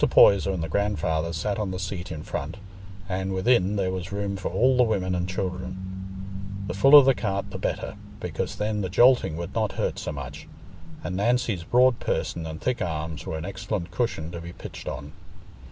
Poyser and the grandfather sat on the seat in front, and within there was room for all the women and children; the fuller the cart the better, because then the jolting would not hurt so much, and Nancy's broad person and thick arms were an excellent cushion to be pitched on.